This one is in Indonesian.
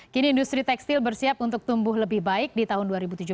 kini industri tekstil bersiap untuk tumbuh lebih baik di tahun dua ribu tujuh belas